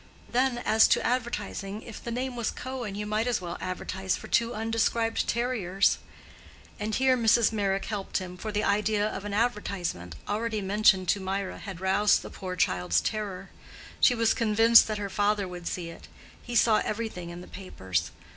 Then, as to advertising, if the name was Cohen, you might as well advertise for two undescribed terriers; and here Mrs. Meyrick helped him, for the idea of an advertisement, already mentioned to Mirah, had roused the poor child's terror; she was convinced that her father would see it—he saw everything in the papers.